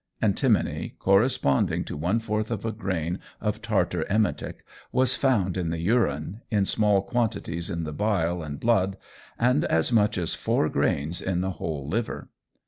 Antimony, corresponding to one fourth of a grain of tartar emetic, was found in the urine, in small quantities in the bile and blood, and as much as four grains in the whole liver.